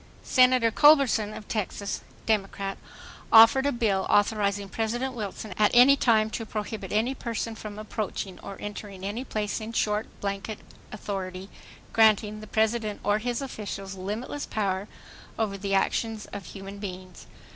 Senator Culberson of Texas, Democrat, offered a bill authorizing President Wilson at any time to prohibit any person from approaching or entering any place—in short blanket authority granting the President or his officials limitless power over the actions of human beings.